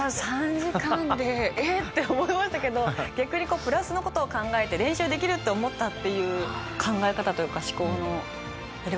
えって思いましたけど逆にプラスのことを考えて練習できるって思ったっていう考え方というか思考のやり方